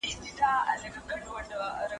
ايا ښځه د هغې د شتمنۍ په خاطر په نکاح کيږي؟